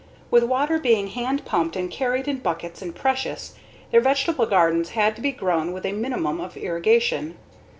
With water being hand pumped and carried in buckets, and precious, their vegetable gardens had to be grown with a minimum of irrigation.